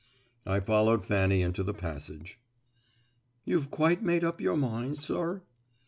I followed Fanny into the passage. "You've quite made up your mind, sir?"